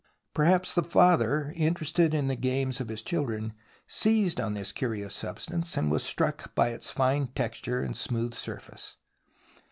Perhaps the father, interested in the games of his children, seized on this curious substance and was struck by its fine texture and smooth surface.